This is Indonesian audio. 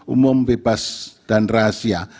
umum bebas dan rahasia